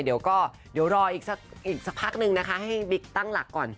เดี๋ยวก็เดี๋ยวรออีกสักพักนึงนะคะให้บิ๊กตั้งหลักก่อน